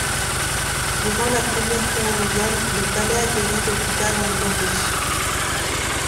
Durant la Première Guerre mondiale, le palais accueillit l'hôpital anglo-russe.